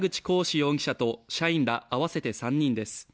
容疑者と社員ら合わせて３人です。